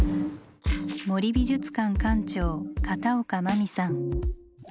森美術館館長片岡真実さん。